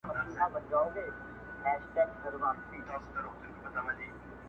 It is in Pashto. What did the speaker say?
• چي ملالیاني مي ور ستایلې -